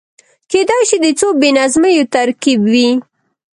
کېدای شي د څو بې نظمیو ترکيب وي.